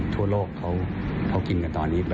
ทั่วโลกเขากินกันตอนนี้